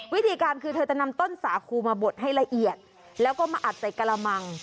วิธีการคือเธอจะนำต้นสาคูมาบดให้ละเอียดแล้วก็มาอัดใส่กระมัง